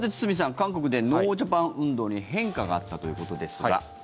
韓国でノージャパン運動に変化があったということですが。